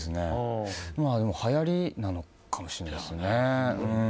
でも、はやりなのかもしれないですね。